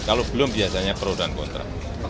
kalau belum biasanya pro dan kontra